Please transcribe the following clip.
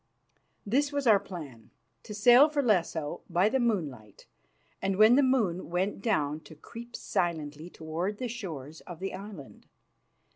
This was our plan: To sail for Lesso by the moonlight, and when the moon went down to creep silently towards the shores of the island.